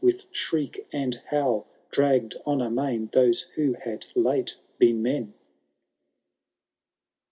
With shriek and howl, dragged on amain Those who had late been men.